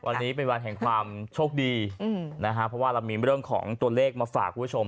วันนี้เป็นวันแห่งความโชคดีนะฮะเพราะว่าเรามีเรื่องของตัวเลขมาฝากคุณผู้ชม